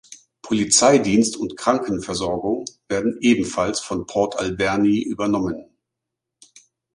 Polizeidienst und Krankenversorgung werden ebenfalls von Port Alberni übernommen.